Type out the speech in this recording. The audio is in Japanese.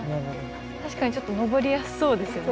確かにちょっと登りやすそうですよね。